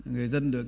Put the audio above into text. người dân được